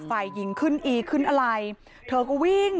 มีชายแปลกหน้า๓คนผ่านมาทำทีเป็นช่วยค่างทาง